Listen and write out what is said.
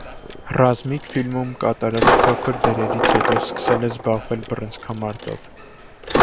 «Ռազմիկ» ֆիլմում կատարած փոքր դերից հետո սկսել է զբաղվել բռնցքամարտով։